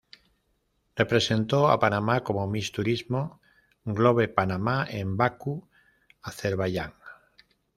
Represento a Panamá como Miss Turismo Globe Panamá en Bakú, Azerbaiyán.